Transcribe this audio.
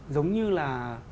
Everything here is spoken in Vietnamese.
giống như là